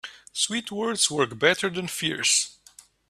Sweet words work better than fierce.